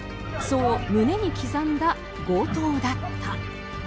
そう胸に刻んだ強盗だった。